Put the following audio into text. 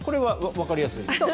分かりやすい。